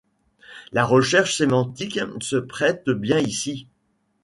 La Recherche sémantique se prête bien ici.